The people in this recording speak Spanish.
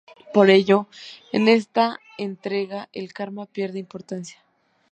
Por ello, en esta entrega el karma pierde importancia.